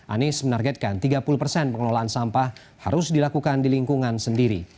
anies menargetkan tiga puluh persen pengelolaan sampah harus dilakukan di lingkungan sendiri